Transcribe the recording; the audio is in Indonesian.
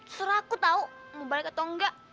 surah aku tahu mau balik atau nggak